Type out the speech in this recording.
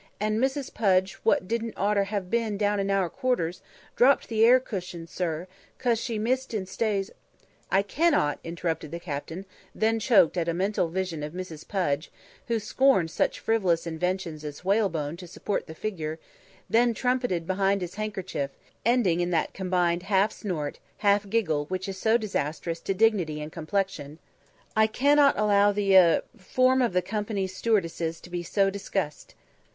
And Mrs. Pudge what didn't oughter 'ave been down in our quarters, dropped the air cushion, sir, 'cause she missed in stays " "I cannot," interrupted the captain then choked at a mental vision of Mrs. Pudge, who scorned such frivolous inventions as whalebone to support the figure then trumpeted behind his handkerchief, ending in that combined half snort, half giggle which is so disastrous to dignity and complexion, "I cannot allow the the er form of the Company's stewardesses to be so discussed."